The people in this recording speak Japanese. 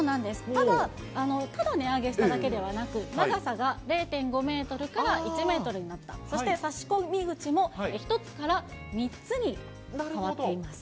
ただ、ただ値上げしただけではなく、長さが０．５メートルから１メートルになった、そして差し込み口も１つから３つに変わっています。